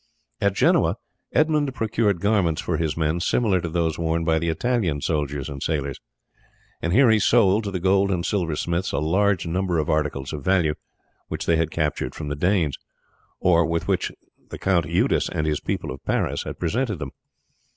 At Genoa Edmund procured garments for his men similar to those worn by the Italian soldiers and sailors, and here he sold to the gold and silversmiths a large number of articles of value which they had captured from the Danes, or with which the Count Eudes and the people of Paris had presented them.